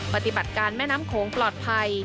ปฏิบัติการแม่น้ำโขงปลอดภัย